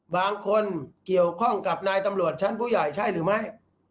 บางคนเกี่ยวข้องกับนายตำรวจชั้นผู้ใหญ่ใช่หรือไม่